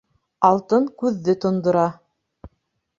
Алтын күҙҙе тондора.